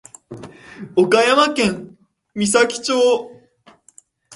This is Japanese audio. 岡山県美咲町